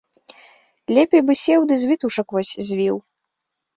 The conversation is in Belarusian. Лепей бы сеў ды з вітушак вось звіў.